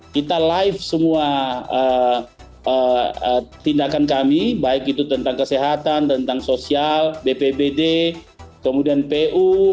kita live semua tindakan kami baik itu tentang kesehatan tentang sosial bpbd kemudian pu